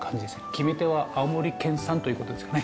決め手は青森県産ということですよね。